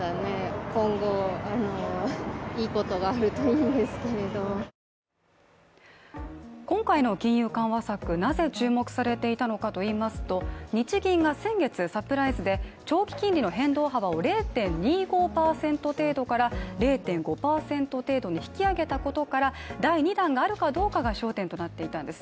街では今回の金融緩和策なぜ注目されていたのかといいますと日銀が先月、サプライズで長期金利の変動幅を０．２５％程度から０．５％程度に引き上げたことから、第２弾があるかどうかが焦点となっていたんです。